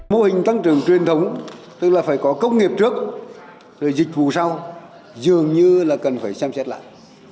mô hình tăng trưởng truyền thống tức là phải có công nghiệp trước rồi dịch vụ sau dường như là cần phải xem xét lại